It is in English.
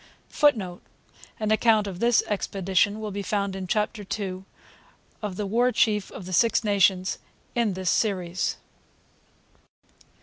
[Footnote: An account of this expedition will be found in Chapter ii of 'The War Chief of the Six Nations' in this Series.